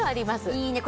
いいね。